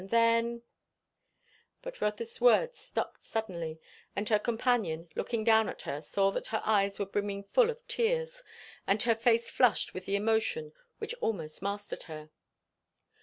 And then " But Rotha's words stopped suddenly, and her companion looking down at her saw that her eyes were brimming full of tears, and her face flushed with the emotion which almost mastered her.